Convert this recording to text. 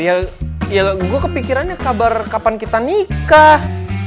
ya gue kepikirannya kabar kapan kita nikah